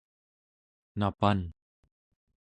napan